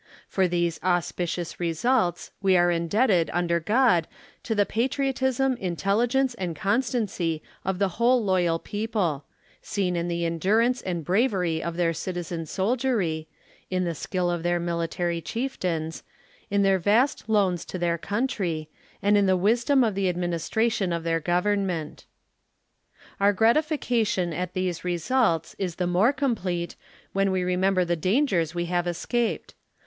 For these aus picious results, we]are indebted, under God, to the patriot ism, intelligence, and constancy of the whole loyal people ŌĆö seen in the endurance and bravery of their citizen sol diery, in the skill of their military chieftains, in their vast loans to their country, and in the wisdom of the adminis tration of their Government. Our gratification at these results is the more complete, when we remember the dangers we have escaped.